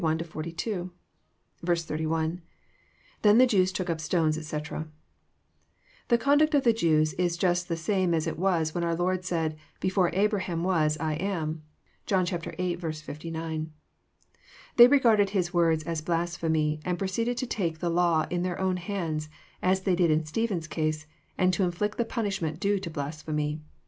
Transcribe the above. — IThen the Jews took up atones, etc,"] The conduct of the Jews Is jast the same as it was when onr Lord said, <* Before Abra has was I am." (John viii. 69.) They regarded His words as blasphemy, and proceeded to take the law in their own hands, as they did in Stephen*s case, and to inflict the punishment due to blasphemy.